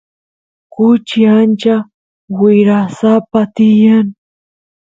kuchi ancha wirasapa tiyan